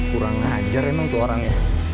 kurang ajar emang tuh orangnya